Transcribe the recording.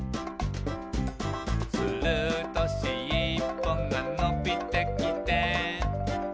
「するとしっぽがのびてきて」